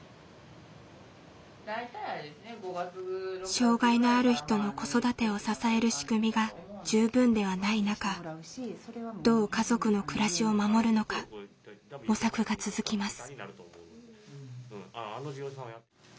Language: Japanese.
障害のある人の子育てを支える仕組みが十分ではない中どう家族の暮らしを守るのか模索が続きます。